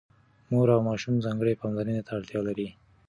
مور او ماشوم ځانګړې پاملرنې ته اړتيا لري.